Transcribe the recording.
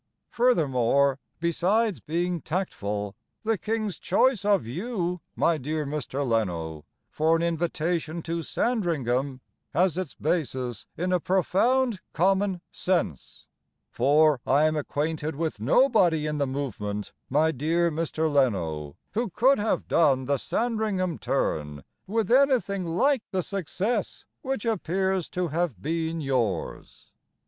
Furthermore, Besides being tactful, The King's choice of you, My dear Mr. Leno, For an invitation to Sandringham Has its basis in a profound common sense; For I am acquainted with nobody in the movement, My dear Mr. Leno, Who could have done the Sandringham turn With anything like the success which appears to have been yours.